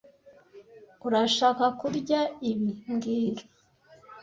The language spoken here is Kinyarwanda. Urashaka kurya ibi mbwira